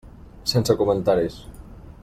Sense comentaris.